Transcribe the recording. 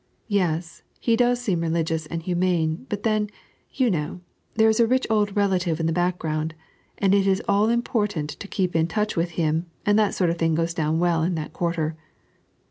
"Yes, he does seem religious and humane, but then, you know, there is a rich old relative in the background, and it is all important to keep in touch with him, and that sort of thing goes down well in that quarter."